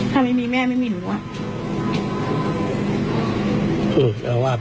ถ้าไม่มีแม่ไม่มีหนูอะ